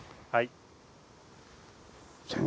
はい。